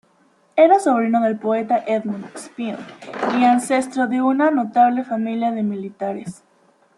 Era sobrino del poeta Edmund Spenser y ancestro de una notable familia de militares.